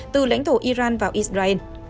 từ lãnh thổ iran vào israel